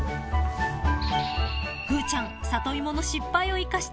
［ふうちゃんサトイモの失敗を生かして］